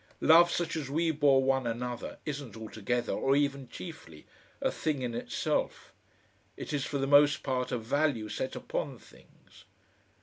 Love such as we bore one another isn't altogether, or even chiefly, a thing in itself it is for the most part a value set upon things.